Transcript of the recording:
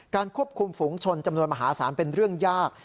ควบคุมฝูงชนจำนวนมหาศาลเป็นเรื่องยาก